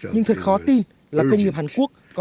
nhưng thật khó tin là công nghiệp hàn quốc